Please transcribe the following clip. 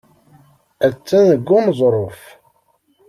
Attan deg uneẓruf.